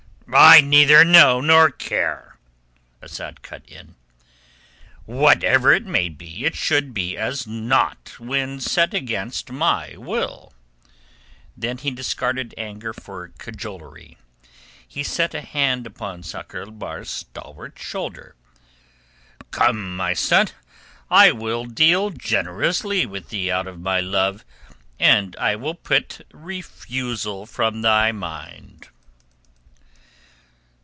"I neither know nor care," Asad cut in. "Whatever it may be, it should be as naught when set against my will." Then he discarded anger for cajolery. He set a hand upon Sakr el Bahr's stalwart shoulder. "Come, my son. I will deal generously with thee out of my love, and I will put thy refusal from my mind."